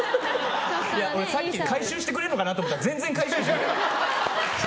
俺、さっき回収してくれるのかなと思ったら全然回収してくれない。